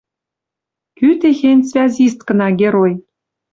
Кӱ техень связисткына герой.